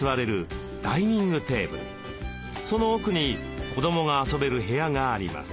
その奥に子どもが遊べる部屋があります。